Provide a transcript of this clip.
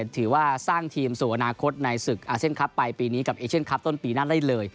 ถือว่าสร้างทีมสู่อนาคตในศึกอาเซียนคลับไปปีนี้กับเอเชียนคลับต้นปีหน้าได้เลย